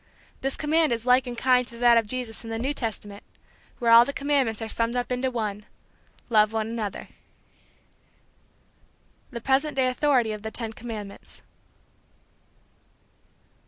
This command is like in kind to that of Jesus in the New Testament, where all the commandments are summed up into one: "Love one another." VI. THE PRESENT DAY AUTHORITY OF THE TEN COMMANDMENTS.